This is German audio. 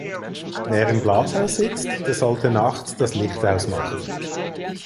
Wer im Glashaus sitzt, der sollte Nachts das Licht ausmachen.